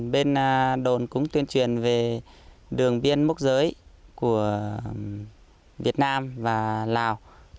bên đồn cũng tuyên truyền về đường biên mốc giới của việt nam và lào